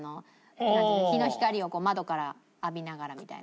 日の光を窓から浴びながらみたいな。